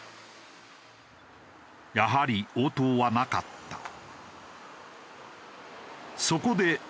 やはり応答はなかった。